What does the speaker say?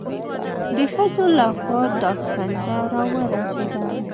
د ښځو لخوا دا ښکنځا را ورسېده.